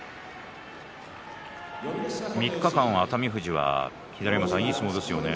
３日間、熱海富士はいい相撲ですよね。